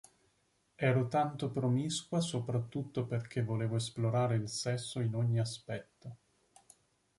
Ero tanto promiscua soprattutto perché volevo esplorare il sesso in ogni aspetto.